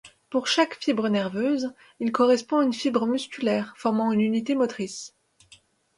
Pour chaque fibre nerveuse, il correspond une fibre musculaire formant une unité motrice.